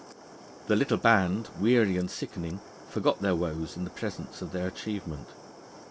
The little band, weary and sickening, forgot their woes in the presence of their achievement.